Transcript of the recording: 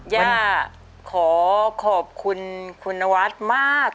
แย่ขอขอบคุณคุณวัดมาก